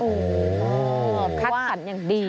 โอ้วยคัดกันอย่างดี